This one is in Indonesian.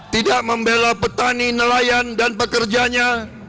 tidak membela petani nelayan dan pekerjanya